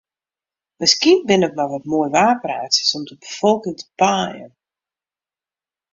Miskien binne it mar wat moaiwaarpraatsjes om de befolking te paaien.